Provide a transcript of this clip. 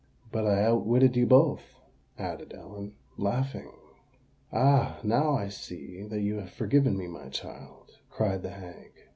But I outwitted you both," added Ellen, laughing. "Ah! now I see that you have forgiven me, my child," cried the hag.